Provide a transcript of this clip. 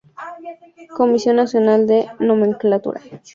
Comisión Nacional de Nomenclatura.